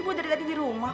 ibu dari tadi di rumah